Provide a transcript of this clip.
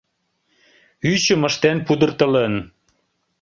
Ӱчым ыштен пудыртылын.